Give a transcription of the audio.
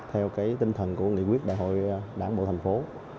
theo tinh thần của nghị quyết đại hội đảng bộ thành phố